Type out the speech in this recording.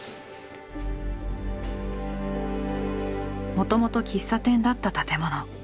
もともと喫茶店だった建物。